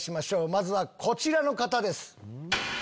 まずはこちらの方です。